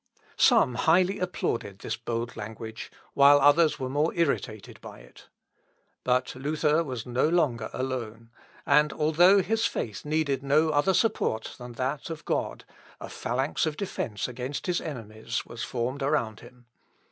Some highly applauded this bold language, while others were more irritated by it. But Luther was no longer alone; and although his faith needed no other support than that of God, a phalanx of defence against his enemies was formed around him.